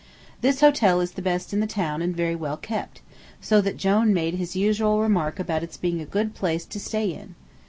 This hotel is the best in the town and very well kept, so that Jone made his usual remark about its being a good place to stay in.